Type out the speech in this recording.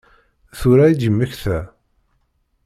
Tura i d-yemmekta?